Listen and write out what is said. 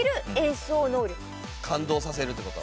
感動させるって事？